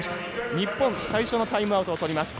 日本、最初のタイムアウトをとります。